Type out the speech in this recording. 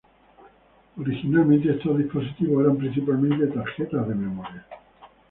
Originalmente estos dispositivos eran principalmente tarjetas de memoria.